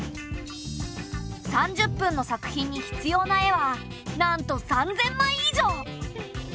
３０分の作品に必要な絵はなんと３，０００枚以上！